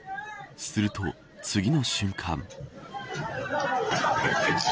すると次の瞬間。